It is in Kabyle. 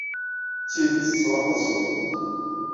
D tidet tesṛuḥed assirem.